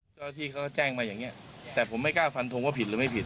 เจ้าหน้าที่เขาแจ้งมาอย่างเงี้ยแต่ผมไม่กล้าฟันทงว่าผิดหรือไม่ผิด